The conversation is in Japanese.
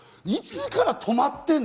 いつから止まってんの？